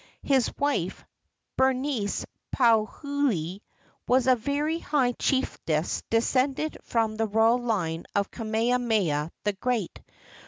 His wife, Berenice Pauahi, was a very high chiefess de¬ scended from the royal line of Kamehameha the Great.